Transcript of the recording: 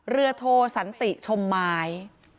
โทสันติชมไม้